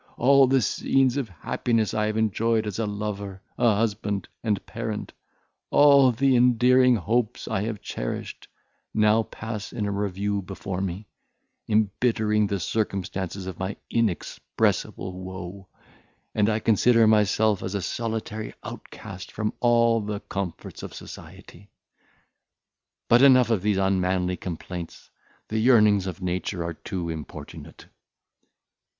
All the scenes of happiness I have enjoyed as a lover, husband, and parent, all the endearing hopes I have cherished, now pass in review before me, embittering the circumstances of my inexpressible woe; and I consider myself as a solitary outcast from all the comforts of society. But, enough of these unmanly complaints; the yearnings of nature are too importunate.